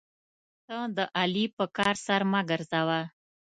ته د علي په کار سر مه ګرځوه.